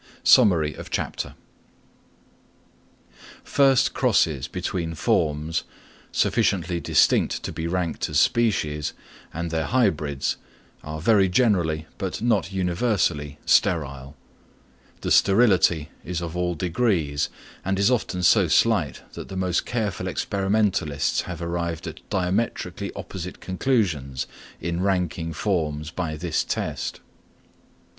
Summary of Chapter. First crosses between forms, sufficiently distinct to be ranked as species, and their hybrids, are very generally, but not universally, sterile. The sterility is of all degrees, and is often so slight that the most careful experimentalists have arrived at diametrically opposite conclusions in ranking forms by this test.